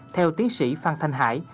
theo tiến sĩ phan thanh hải